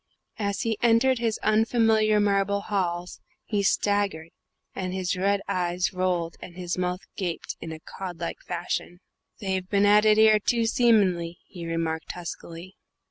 As he entered his unfamiliar marble halls he staggered, and his red eyes rolled and his mouth gaped in a cod like fashion. "They've been at it 'ere, too, seemin'ly," he remarked huskily.